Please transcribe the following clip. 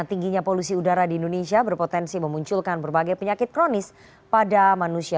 tingginya polusi udara di indonesia berpotensi memunculkan berbagai penyakit kronis pada manusia